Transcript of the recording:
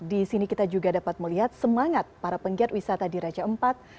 di sini kita juga dapat melihat semangat para penggiat wisata di raja empat